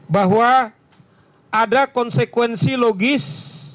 bahwa ada konsekuensi logis